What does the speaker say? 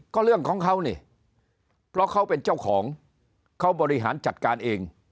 ก็เรื่องของเขานี่เพราะเขาเป็นเจ้าของเขาบริหารจัดการเอง